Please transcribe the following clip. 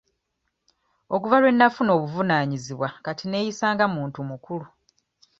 Okuva lwe nnafuna obuvunaanyizibwa kati nneeyisa nga muntu mukulu.